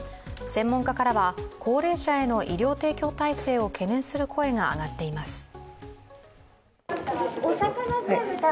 専門家からは高齢者への医療提供体制を懸念する声が上がっています。